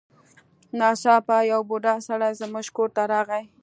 ناڅاپه یو بوډا سړی زموږ کور ته راغی.